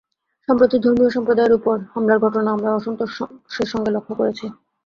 সম্প্রতি ধর্মীয় সম্প্রদায়ের ওপর হামলার ঘটনা আমরা অসন্তোষের সঙ্গে লক্ষ করেছি।